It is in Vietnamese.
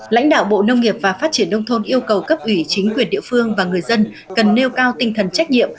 lãnh đạo bộ nông nghiệp và phát triển nông thôn yêu cầu cấp ủy chính quyền địa phương và người dân cần nêu cao tinh thần trách nhiệm